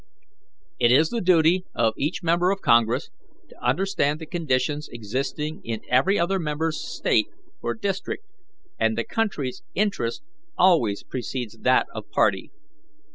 It is the duty of each member of Congress to understand the conditions existing in every other member's State or district, and the country's interest always precedes that of party.